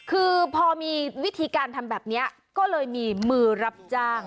คือพอมีวิธีการทำแบบนี้ก็เลยมีมือรับจ้าง